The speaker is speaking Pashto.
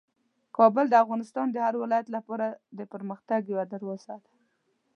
کابل د افغانستان د هر ولایت لپاره د پرمختګ یوه دروازه ده.